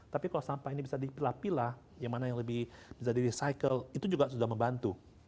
tapi kalau sampah ini bisa dipilah pilah yang mana yang lebih bisa di recycle itu juga sudah membantu